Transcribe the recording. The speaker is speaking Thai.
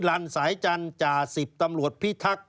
ลันสายจันทร์จ่าสิบตำรวจพิทักษ์